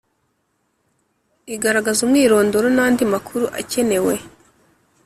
igaragaza umwirondoro nandi makuru akenewe